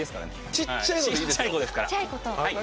ちっちゃいことですから。